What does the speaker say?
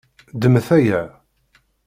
Ddmet aya.